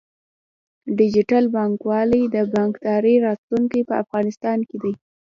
ډیجیټل بانکوالي د بانکدارۍ راتلونکی په افغانستان کې دی۔